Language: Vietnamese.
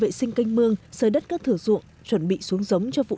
các xã viên đã khẩn trương làm đất xuống giống tái sản xuất cho vụ mới